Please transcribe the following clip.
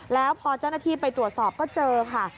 แล้วพอเจ้าหน้าที่ไปตรวจสอบก็เจอค่ะ